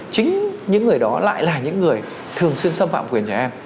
chính những người đó lại là những người thường xuyên xâm phạm quyền trẻ em